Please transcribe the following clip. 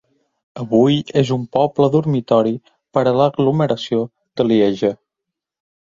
Avui és un poble dormitori per a l'aglomeració de Lieja.